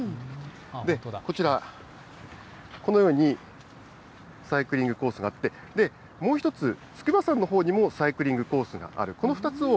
こちら、このようにサイクリングコースとなって、もう１つ、筑波山のほうにもサイクリングコースがある。